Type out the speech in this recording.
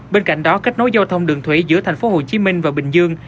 bên cạnh đó kết nối giao thông đường thủy giữa tp hcm và bình dương